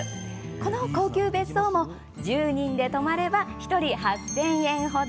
この高級別荘も１０人で泊まれば１人８０００円程。